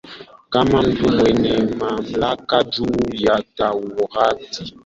kama mtu mwenye mamlaka juu ya Taurati